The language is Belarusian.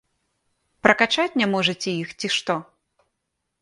Пракачаць не можаце іх ці што?